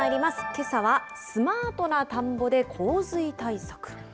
けさはスマートな田んぼで洪水対策。